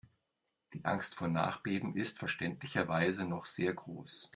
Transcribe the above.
Die Angst vor Nachbeben ist verständlicherweise noch sehr groß.